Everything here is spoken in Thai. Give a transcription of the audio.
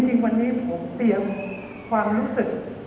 จริงวันนี้ผมเตรียมความรู้สึก